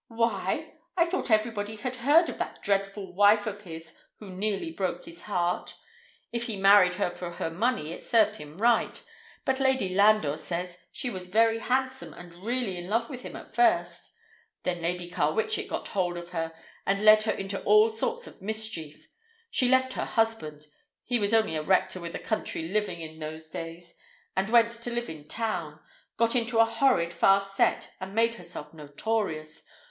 "Why? I thought everybody had heard of that dreadful wife of his who nearly broke his heart. If he married her for her money it served him right, but Lady Landor says she was very handsome and really in love with him at first. Then Lady Carwitchet got hold of her and led her into all sorts of mischief. She left her husband—he was only a rector with a country living in those days—and went to live in town, got into a horrid fast set, and made herself notorious.